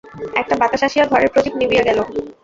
একটা বাতাস আসিয়া ঘরের প্রদীপ নিবিয়া গেল।